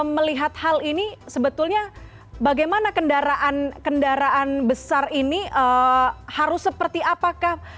melihat hal ini sebetulnya bagaimana kendaraan besar ini harus seperti apakah